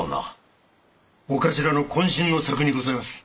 お頭の渾身の作にございます。